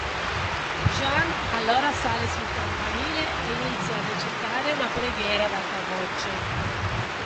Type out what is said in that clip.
Jean allora sale sul campanile e inizia a recitare una preghiera ad alta voce.